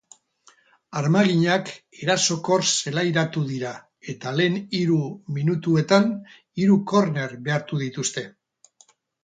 Armaginak erasokor zelairatu dira, eta lehen hiru minutuetan hiru korner behartu dituzte.